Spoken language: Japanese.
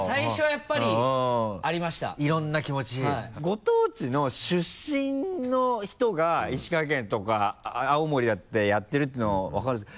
ご当地の出身の人が石川県とか青森だったりやってるっていうのは分かるんです。